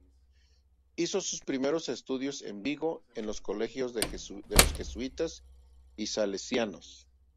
Hizo sus primeros estudios en Vigo en los colegios de los jesuitas y salesianos.